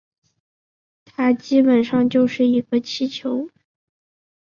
它基本上就是一个气球